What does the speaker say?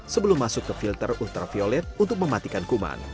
sebelum masuk ke filter ultraviolet untuk mematikan kuman